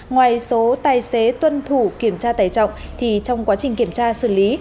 ngoài số tài xế tuân thủ kiểm tra tài trọng thì trong quá trình kiểm tra xử lý